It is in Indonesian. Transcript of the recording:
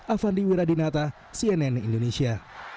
afandi wiradinata cnn indonesia